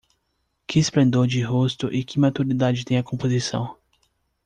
Que esplendor de rosto e que maturidade tem a composição?